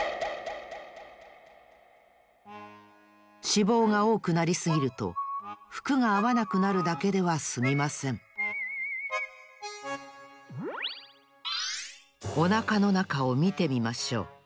脂肪がおおくなりすぎるとふくがあわなくなるだけではすみませんおなかのなかをみてみましょう。